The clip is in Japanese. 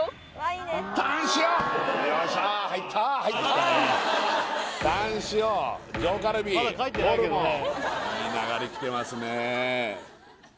いい流れきてますね